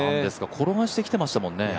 転がしてきましたもんね。